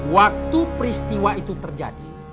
waktu peristiwa itu terjadi